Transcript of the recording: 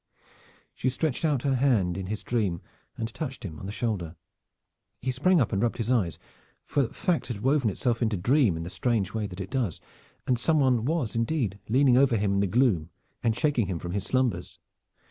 She stretched out her hand in his dream and touched him on the shoulder. He sprang up and rubbed his eyes, for fact had woven itself into dream in the strange way that it does, and some one was indeed leaning over him in the gloom, and shaking him from his slumbers.